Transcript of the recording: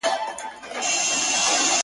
ور کول مو پر وطن باندي سرونه.!